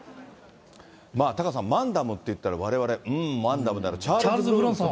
タカさん、マンダムっていったら、われわれ、うーん、マンダムって、チャールズ・ブロンソン。